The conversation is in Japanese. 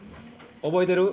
覚えてる？